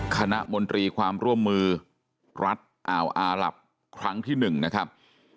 มนตรีความร่วมมือรัฐอ่าวอาหลับครั้งที่๑นะครับ